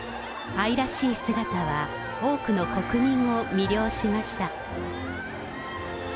愛らしい姿は、多くの国民を魅了しました。